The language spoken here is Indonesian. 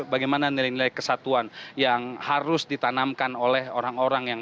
bagaimana nilai nilai kesatuan yang harus ditanamkan oleh orang orang yang